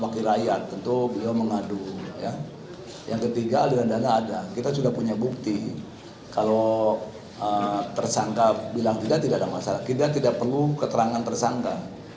kalau tersangka bilang tidak tidak ada masalah kita tidak perlu keterangan tersangka